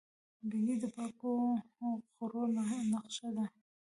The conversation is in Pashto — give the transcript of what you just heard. بېنډۍ د پاکو خوړو نخښه ده